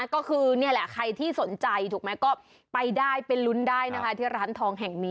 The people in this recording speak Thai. ก็คือนี่แหละใครที่สนใจถูกไหมก็ไปได้ไปลุ้นได้นะคะที่ร้านทองแห่งนี้